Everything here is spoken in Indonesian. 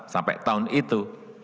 sampai tahun itu